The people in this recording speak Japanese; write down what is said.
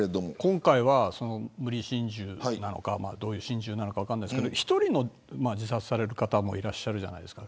今回は無理心中なのか同意心中なのか分からないですけど１人で自殺される方もいらっしゃるじゃないですか。